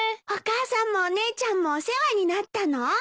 お母さんもお姉ちゃんもお世話になったの？